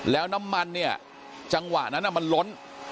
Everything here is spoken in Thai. แล้วน้ำมันเนี่ยจังหวะนั้นมันล้น